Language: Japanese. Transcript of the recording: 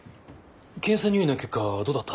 検査入院の結果どうだった？